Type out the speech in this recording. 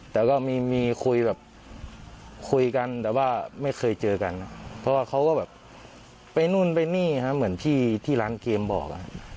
แต่ก็มีคุยแบบคุยกันแต่ว่าไม่เคยเจอกันเพราะว่าเขาก็แบบไปนู่นไปนี่ฮะเหมือนที่ร้านเกมบอก